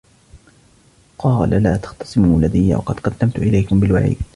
قال لا تختصموا لدي وقد قدمت إليكم بالوعيد